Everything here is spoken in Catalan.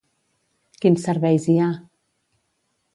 Quins serveis hi ha?